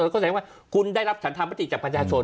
แล้วก็แสดงว่าคุณได้รับฐานธรรมพฤติจากปัญชาชน